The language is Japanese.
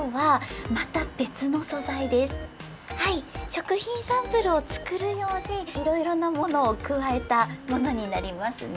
食品サンプルをつくるようでいろいろなものをくわえたものになりますね。